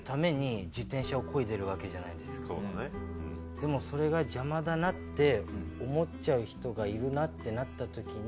でもそれが邪魔だなって思っちゃう人がいるなってなったときに。